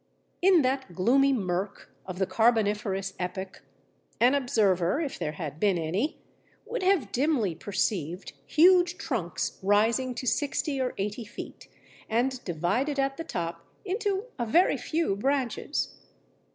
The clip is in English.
In that gloomy mirk of the Carboniferous epoch, an observer (if there had been any) would have dimly perceived huge trunks rising to sixty or eighty feet and divided at the top into a very few branches.